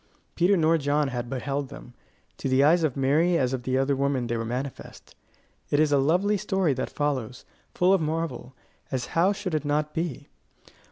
Peter nor John had beheld them: to the eyes of Mary as of the other women they were manifest. It is a lovely story that follows, full of marvel, as how should it not be?